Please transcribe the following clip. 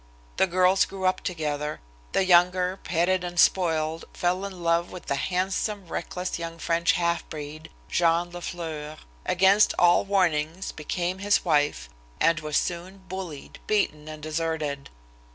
The girls grew up together. The younger, petted and spoiled, fell in love with a handsome, reckless young French half breed, Jean La Fleur; against all warnings, became his wife, and was soon bullied, beaten and deserted.